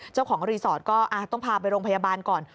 เจ้าของรีสอร์ทก็ต้องพาไปโรงพยาบาลก่อน